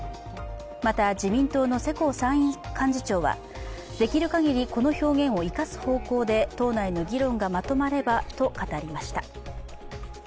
また、自民党の世耕参院幹事長はできる限り、この表現を生かす方向で党内の議論がまとまればと語りました。